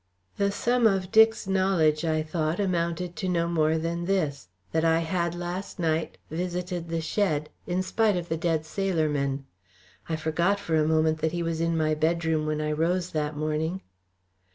The sum of Dick's knowledge, I thought, amounted to no more than this that I had last night visited the shed, in spite of the dead sailor men. I forgot for the moment that he was in my bedroom when I rose that morning.